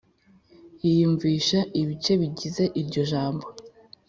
yiyumvisha ibice bigize iryo jambo,